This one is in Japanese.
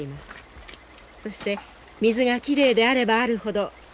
そして水がきれいであればあるほど種類も豊富です。